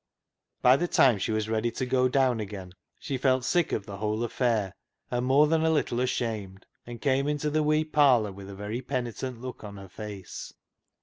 By the time she was ready to go down again she felt sick of the whole affair, and more than a little ashamed, and came into the wee parlour with a very penitent look on her face.